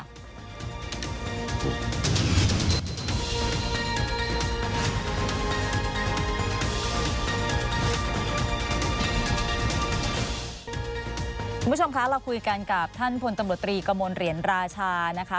คุณผู้ชมคะเราคุยกันกับท่านพลตำรวจตรีกระมวลเหรียญราชานะคะ